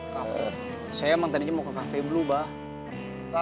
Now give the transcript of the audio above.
cafe saya emang tadi mau ke cafe blue mbak